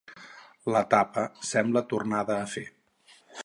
La tapa sembla tornada a fer.